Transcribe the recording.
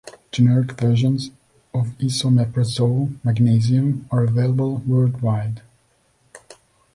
Generic versions of esomeprazole magnesium are available worldwide.